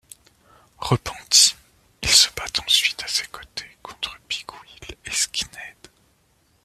Repenti, il se bat ensuite à ses côtés contre Big Wheel et Skinhead.